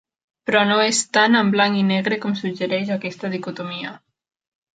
Però no és tan en blanc i negre com suggereix aquesta dicotomia.